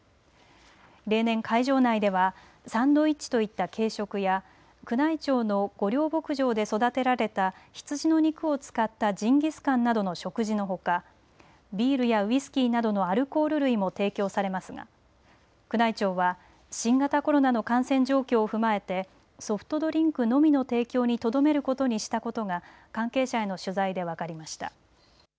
例年、会場内ではサンドイッチといった軽食や宮内庁の御料牧場で育てられた羊の肉を使ったジンギスカンなどの食事のほかビールやウイスキーなどのアルコール類も提供されますが宮内庁は新型コロナの感染状況を踏まえてソフトドリンクのみの提供にとどめることにしたことが関係者への取材で分かりました。